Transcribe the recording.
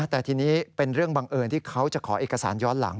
แต่ทีนี้เป็นเรื่องบังเอิญที่เขาจะขอเอกสารย้อนหลัง